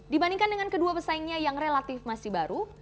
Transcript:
dibandingkan dengan kedua pesaingnya yang relatif masih baru